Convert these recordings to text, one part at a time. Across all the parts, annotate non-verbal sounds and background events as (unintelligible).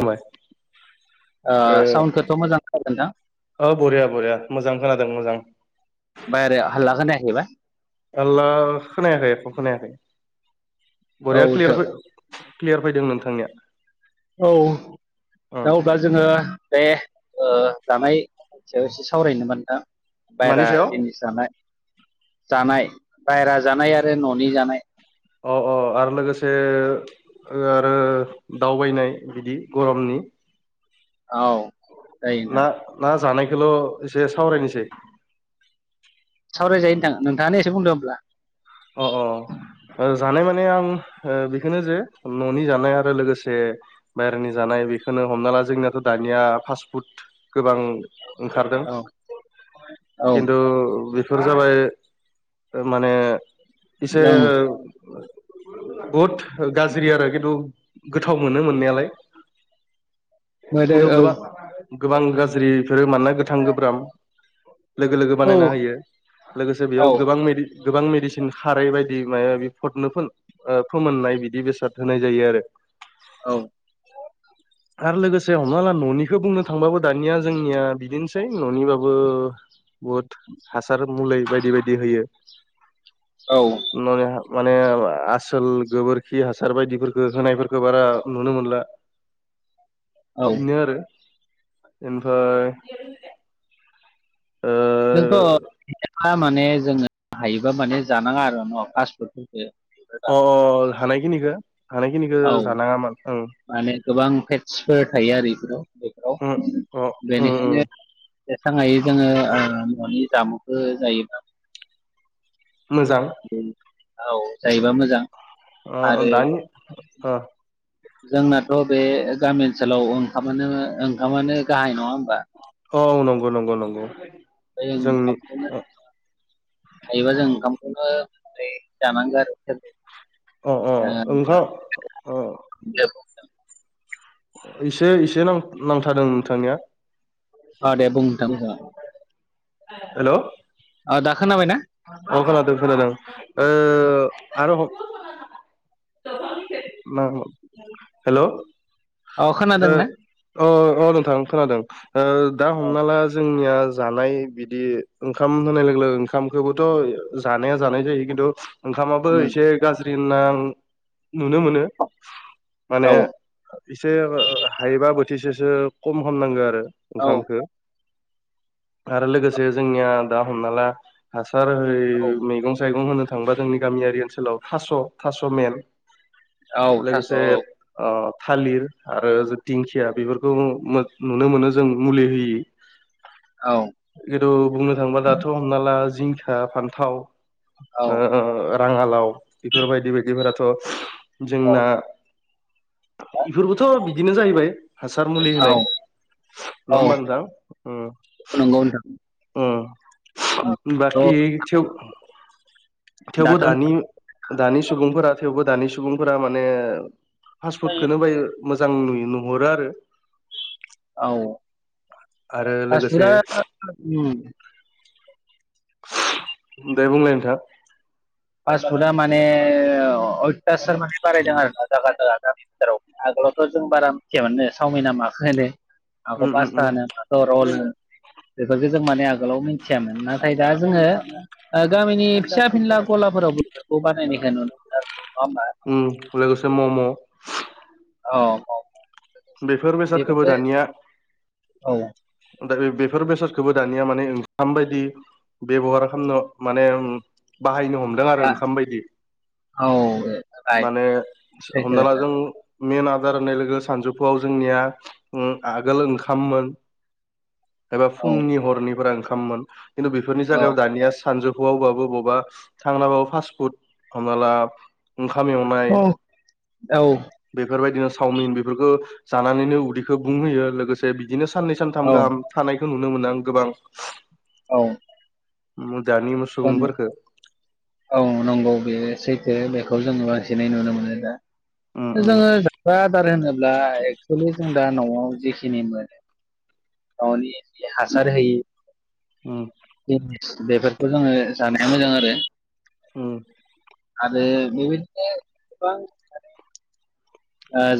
हामबाय ओ साउन्डखौथ मोजां खोनागोना औह बरिया बरिया मोजां खोनादों मोजां। बाहेर हाललागोन होनायबा आल्लाखोनायाखै ए खोनायाखै औ बरिया नोंथां क्लियार फ क्लियार फैदों नोंथांनिया। औ ओं दाउ जोङो बे ओ जानाय सायाव एसे सावरायनो मोनदों मानि बायेरा सायाव जिनिस जानाय जानाय बायेरा जानाय आरो ननि जानाय औ औ आरो लोगोसे आरो दावबायनाय बिदि गरमनि औ जायो ना नोंथां ना जानायखौल' एसे सावरायनोसै सावरायजायो नाङा नोंथाङानो एसे बुंदों होनब्ला अ अ जानाय माने आं बेखौनो जे न'नि जानाय आरो लोगोसे बायेरानि जानाय बेखौनो हमना ला जोंनियाथ' दानिया फास्टफुड गोबां ओंखारदों औ औ खिन्थु बे फोर जाबाय माने एसे ओं बुहुत गाज्रि आरो खिन्थु गोथाव मोनो मोननायालाय मोदो खिन्थु गोबां गोबां गाज्रिफोरो मानोना गोथां गोब्राम लोगो लोगो बानायना ओं होयो लोगोसे औ बेयाव गोबां गोबां मेडसिन थन खारै बायदि माबा फदनो फोमोननाय बिदि बेसाद होनाय जायो आरो औ आरो लोगोसे हमना लाला न'निखौ बुंनो थांबाबो दानिया जोंनिया बिदिनोसै न'निबाबो बुहुद हासार मुलि बायदि बायदि होयो औ माने आसोल गोबोरखि हासार बायदिफोरखौ होनायफोरखौ बारा नुनो मोनला औ बेनो आरो ओमफ्राय ओ जोंथ' माने जोङो हायोबा माने जानाङा आरो न'फासफुटफोरखौ अ अ हानायखिनिखौ हानायखिनिखौ औ जानाङामोन ओं माने गोबां पेटसफोर थायो आरो बेफोराव ओं उम बेफोराव अ उम उम बेनिखायनो जेसांहायो जोङो न'नि जामुं जायोबा मोजां औ जायोबा मोजां अ आरो दानि (inaudible) जोंनाथ' बे गामि ओनसोलाव ओंखामानो ओंखामानो गाहाय नङा होमबा। औ औ नंगौ नंगौ नंगौ बे जोंनि ओंखामखौनो हायोबा जों ओंखामखौनो जानांगौ आरो सोर अ अ ओंखाम अ (inaudible) एसे एसे नांथारादों नोंथांनिया ओ दे बुं नोंथां बुं। हेल' दा खोनाबायना अ खोनादों खोनादों आरो हेल' अ अ नोंथां खोनादों दा औ हमना ला जोंनिया जानाय बिदि ओंखाम होनाय लोगो लोगो खामखौबोथ' जानाया जानाय जायो खिन्थु ओंखामाबो उम एसे गाज्रि होनना आं नुनो मोनो औ माने ओ हायोबा बोथिसेसो खम हमनांगौ आरो औ ओंखामखौ आरो लोगोसे जोंनिया दा हमना ला हासार हो औ मैगं साइगं होनो थांबा जोंनि गामियारि ओनसोलाव थास' थास' मेन औ थास' लोगोसे औ आ थालिर आरो दिंखिया बेफोरखौ नुनो मोनो जों मुलि होयि औ खिन्थु बुंनो थाङोबा दाथ' हमना ला जिंखा फान्थाव औ राङालाव बेफोरबायदि बायदिफोराथ' जोंना बेफोरबोथ' बिदिनो जाहैबाय हासार मुलि औ होनाय औ नङा होमबाोजां नंगौ नोंथां अ थ' बाखि थेवबो दाथ' दानि दानि सुबुंफोरा थेवबो दानि सुबुंफोरा माने फास्टफुदखौनो बाहाय मोजां नु नुहरो आरो आरो लोगोसे औदा दे बुंलाय नोंथां पास फुदा माने अयथासार माने बारायदों आरो जागा जागा आगोलावथ' जों बारा मिथियामोन चावमिना माखौ होनो माखौ उम उम पासता उम होनो रलनो बेफोरखौ जों माने आगोलाव मिथियामोन नाथाय दा जोङो गामिनि फिसा फिनला गलाफोराव बेफोरखौ बानायनायखौ नुनो मोनो आरो नङा होनबा उम लोगोसे मम' औ औ बेफोर बेसादखौबो बेफोरखौ दानिया औ दा बेफोर बेसादखौबो दानिया माने ओंखाम बायदि बेब'हार खालामनो माने बाहायनो हमला आरो दा ओंखाम बायदि औ राइट माने सैथो हमना ला खोथा। जों मेन आदार होननाय लोगो सानजौफुआव जोंनिया आगोल ओंखाममोन एबा औ फुंनि हरनिफोरा ओंखाममोन खिन्थु बेफोरनि औ जायगायाव दानिया सानजौ बाबो बबावबा थांलाबो फास फु हाम औ बेफोरबायदिनो चावमिन बेफोरखौ जानानैनो उदैखौ बुंहोयो लोगोसे बिदिनो साननै सानथाम औ गाहाम थानायखौ नुनो मोनो आं गोबां औ म जान म बानो औ नंगौ बे सैथो बेखौ जोङो बांसिनै नुनो मोनो दा उम उम जोङो जाग्रा आदार होनोब्ला एक्स जों दा न'आव जेखिनि मोनो न'नि जि हासार होयि ओम जिनिस बेफोरखौ जोङो जानाया मोजां आरो उम आरो बिनो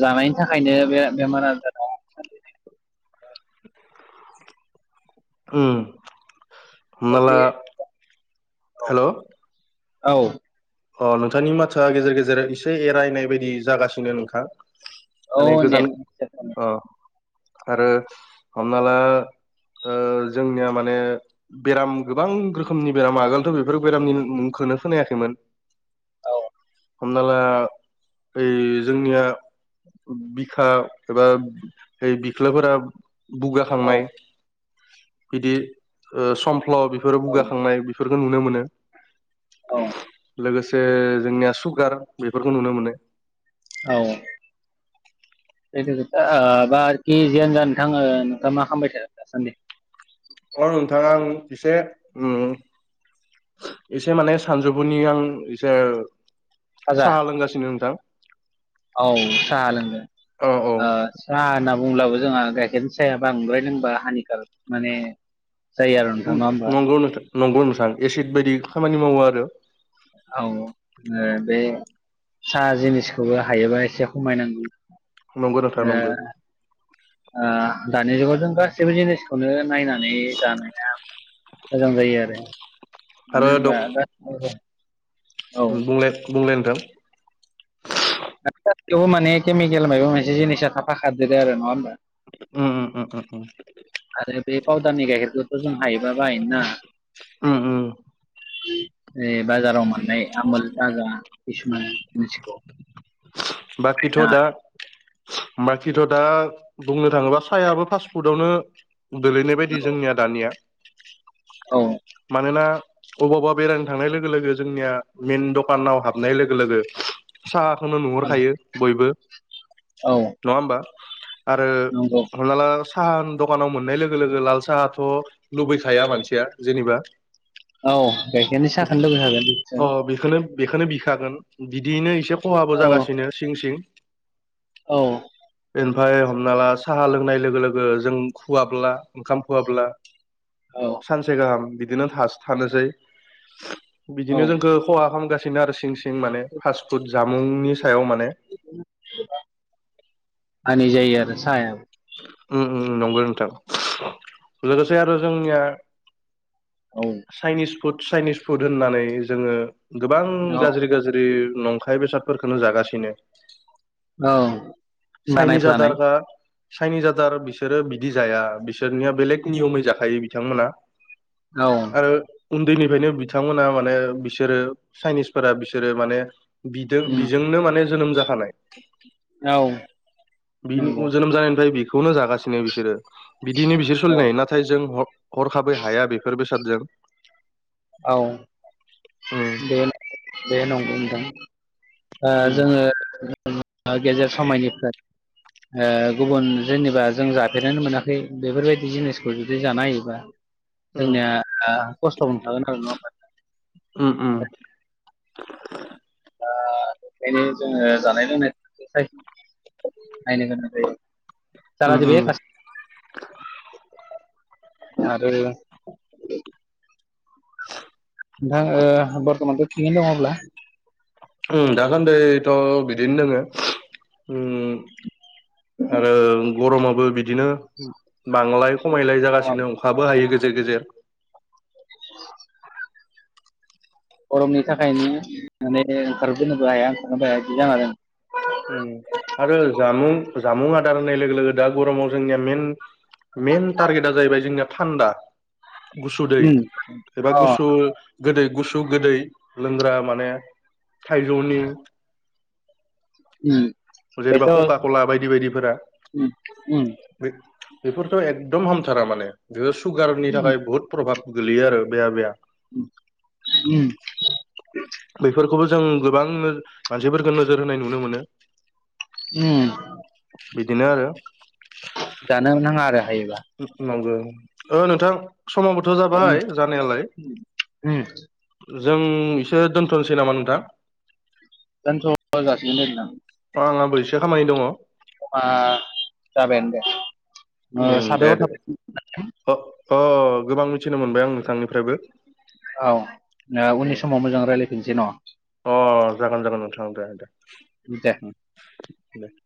जानायनि थाखायनो बे बेमार आजाराव उम हमना ला बे औ हेल' औ अ नोंथांनि माथोआ गेजेर गेजेर एसे एरायनाय बायदि जागासिनो नोंथां औ माने नेट गोजान औ अ आरो हमना ला ओ जोंनिया माने बेराम गोबां रोखोमनि बेराम आगोलथ' बेफोर बेरामनि मुंखौनो खोनायाखैमोन हमना ला ओइ जोंनिया बिखा एबा बिख्लाफोरा औ बुगाखांनाय बिदि समफ्ल' बेफोरो औ बुगाखांनाय बिखौ नुनो मोनो औ लोगोसे जोंनिया सुगार बेफोरखौ नुनो मोनो औ (unintelligible) बा आरोखि जानो जाा नोंथां नोंथाङा मा खालामबाय थादों दासान्दि अ नोंथां आं एसे उम एसे माने सानजौफुनि आं एसे फाजा साहा लोंगासिनो नोंथां औ साहा लोंदो औ औ साहा होनना बुंब्लाबो जोंहा गाइखेरनि साया बांद्रायनो होनबा हानिकार माने जायो आरो नङा ओमबा नंगौ नोंथां नंगौ नोंथां एसिद बायदि खामानि मावो आरो औ ओ बे साहा जिनिसखौबो हायोबा एसे खमायनांगौ नंगौ नथा ओ नंगौ ओ दानि जुगाव जों गासैबो जिनिसखौनो नायनानै जानाया मोजां जायो आरो मानो आरो होनबा दं दा बुंलाय बुंलाय नोंथां (unintelligible) माने केमिकेल माबा मोनसे जिनिसा थाफाख खारदेरो आरो नङा होमबा ओम‌ - ओम आरो बे पाउदारनि गाइखेरखौथ' जों हायोबा बाहायनो नाङा ओम बाजाराव मोननाय आमोल दाजा किसुमान मिथिखौ बाखिथ' दा बाखिथ' दा बुंनो थाङोबा साहायाबो फास्ट फुडावनो गोलैनाय बायदि औ जोंनिया दानिया। औ मानोना अबावबा बेरायनो थांनाय लोगो लोगो जोंनिया मेन दखानाव हाबनाय लोगो लोगो साहा खौनो नुहरखायो बयबो। औ नङा होमबा आरो नंगौ हमना ला साहानि दखानाव मोननाय लोगो लोगो लाल साहाथ' लुबैखाया मानसिया जेनेबा औ गाइखेरनि साहाखनो लुबै अ खागोन बेखौनो बेखौनो बिखागोन बिदियैनो एसे खहाबो औ जागासिनो सिं सिं औ ओमफफ्राय हमना ला साहा लोंनाय लोगो लोगो जों खुवाब्ला ओंखाम खुवाब्ला औ सानसे गाहाम बिदिनो था थानोसै औ बिदिनो जोंखौ खहा खालामगासिनो आरो सिं सिं माने फास्ट फुड जा मुंनि सायाव माने। हानि जायो आरो सायाबो नंगौ नोंथां लोगोसे आरो जोंनिया औ चाइनिस फुड चाइनिस फुड होननानै जोङो गोबां औ गाज्रि गाज्रि नंखाय बेसादफोरखौनो जागासिनो। औ चाइनिस आधार बानायफ्लानाय काड चाइनिस आदार बिसोरो बिदि जाया बिसोरनिया बेलेग नियमै जाखायो बिथांमोनहा। औ आरो उन्दैनिफ्रायनो बिथांमोना माने बिसोरो चाइनिसफोरा बिसोरो माने बिदो उम बिजोंनो माने जोनोम जाखानाय। औ बिनि नंगौ जोनोम जानायनिफ्राय बेखौनो जागासिनो बिसोरो बिदिनो बिसोर औ सोलिनाय हायो नाथ थाय जजों हरखाबै हाया बेफोर बेसादजों। औ उम बे बे नंगौ होनदों ओ उम जोङो गेजेर समायनिफ्राय ओ गुबुन जेनेबा जों जाफेरानो मोनाखै बेफोरबायदि जिनिसखौ जुदि जानाय होयोबा उम जोंनिया ओ खस्थ' मोन थागोन आरो नङा होमबा उम उम दा बेखायनो जोङो जानाय लोंनायखौ (unintelligible) बायनो गोनां उम जायो (unintelligible) आरो (inaudible) नोंथां ओ बरतमानथ‌ थिगैनो दङ अब्ला उम दासान्दैथ बिदिनो दोङो उम आरो गरमाबो बिदिनो बांलाय खमायलाय जागासिनो अखाबो हायो गेजेर गेजेर गरमनि थाखायनो माने ओंखार बोनोबो हाया अखारनो बो हायासो जाना दं। उम आरो जामुं जामुं आदार होननाय लोगो लोगो दा गरमाव जोंनिया मेन मेइन टारगेटा जाहैबाय जोंनिया थान्दा गुसु दै उम एबा अ गुसु गोदै गुसु गोदै लोंग्रा माने थाइजौनि उम जेनेबा बेथ' का उम कला बायदि बायदिफोरा उम बे बेफोरथ एकदम हामथारा माने बेफोर सुगारनि थाखाय बहुद प्रभाब गोलैयो आरो बेहा बे उम बेफोरखौबो जों गोबां मानसिफोरखौ नोजोर होनाय नुनो मोनो (unintelligible) उम बिदिनो आरो जानो नोंथाङा आरो हाय मावगोन ओ नोंथां समाबोथ उम जाबाय जानायालाय उम जों इसे दोनथनोसै नामा नोंथां जोंथ (unintelligible) दं अ आंहाबो एसे खामानि दङ मा जाबायानो दे उम दे साबायखर दे थाबाय अ अ गोबां मिथिनो मोनबाय आं नोंथांनिफ्रायबो औ ओ उम उननि समाव मोजां रायलायफिनसै न अ जागोन जागोन नोंथां दे दे (unintelligible) (inaudible)